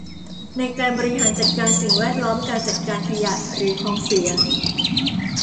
ในการบริหารจัดการสิ่งแวดล้อมการจัดการขยะหรือของเสีย